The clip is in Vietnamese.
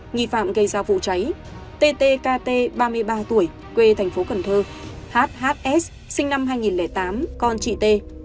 nghi phạm gây ra vụ cháy ttkt ba mươi ba tuổi quê thành phố cần thơ hhs sinh năm hai nghìn tám con chị t